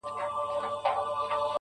• شېخ د خړپا خبري پټي ساتي.